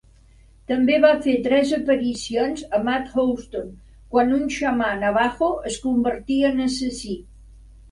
També va fer tres aparicions a "Matt Houston" quan un xamà Navajo es convertia en assassí.